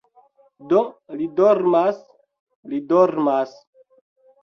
- Do li dormas, li dormas